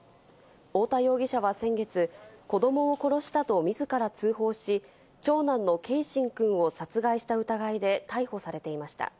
太田容疑者は先月、子どもを殺したと自ら通報し、長男の継真くんを殺害した疑いで逮捕されていました。